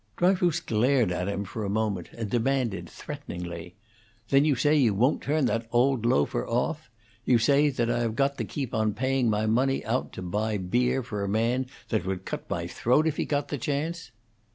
Dryfoos glared at him for a moment, and demanded, threateningly: "Then you say you won't turn that old loafer off? You say that I have got to keep on paying my money out to buy beer for a man that would cut my throat if he got the chance?"